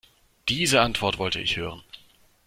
Diese Antwort wollte ich hören.